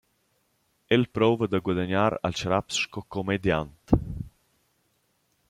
El prouva da guadagnar alch raps sco commediant.